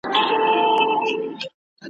غاښ چي رنځور سي، نو د انبور سي `